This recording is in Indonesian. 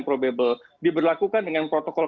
probable diberlakukan dengan protokol